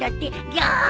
ギャーッ！